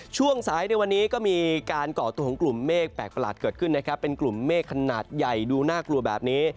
ช่วงสายในวันนี้ก็มีการก่อตัวของกลุ่มเมฆแปลกประหลาดเกิดขึ้นนะครับเป็นกลุ่มเมฆขนาดใหญ่ดูน่ากลัวแบบนี้